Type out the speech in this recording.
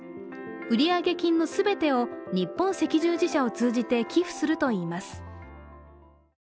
売上金の全てを日本赤十字社を通じて寄付するといいます。